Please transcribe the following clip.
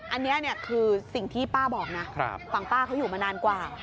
อันนี้คือสิ่งที่ป้าบอกนะฝั่งป้าเขาอยู่มานานกว่า